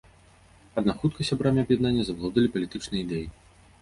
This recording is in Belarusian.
Аднак хутка сябрамі аб'яднання завалодалі палітычныя ідэі.